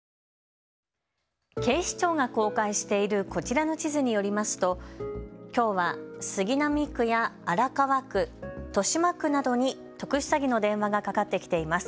警視庁が公開しているこちらの地図によりますときょうは杉並区や荒川区、豊島区などに特殊詐欺の電話がかかってきています。